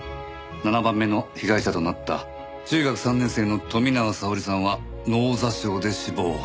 ７番目の被害者となった中学３年生の富永沙織さんは脳挫傷で死亡。